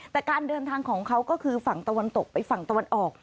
แต่การเดินทางของเขาก็คือฝั่งตะวันตกไปฝั่งตะวันออก